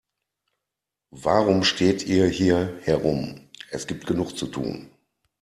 Warum steht ihr hier herum, es gibt genug zu tun.